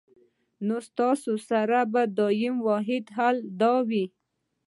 نو ستاسو سره به ئې واحد حل دا وي